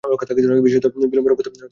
বিশেষত বিল্বনের কথায় সকলে বশ।